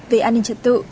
về an ninh trật tự